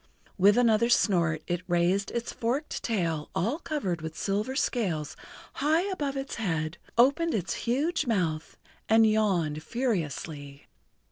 With another snort it raised its forked tail all covered with silver scales high above its head, opened its huge mouth and yawned furiously.